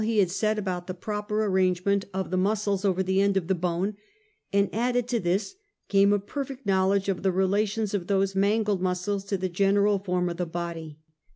245 he had said about the proper arrangement of the mus cles over the end of the bone; and added to this, came a perfect knowledge of the relations of those mangled muscles to the general form of the body.